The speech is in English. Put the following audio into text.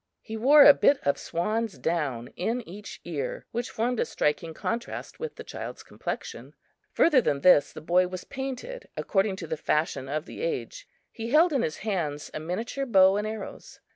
He wore a bit of swan's down in each ear, which formed a striking contrast with the child's complexion. Further than this, the boy was painted according to the fashion of the age. He held in his hands a miniature bow and arrows.